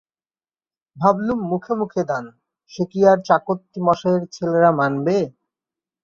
ভাবলুম মুখে মুখে দান, সে কি আর চাকত্তি মশাই-এর ছেলেরা মানবে?